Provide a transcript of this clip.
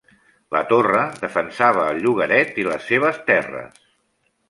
La torre defensava el llogaret i les seves terres.